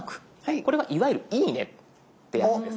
これはいわゆる「いいね」ってやつです。